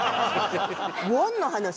ウォンの話？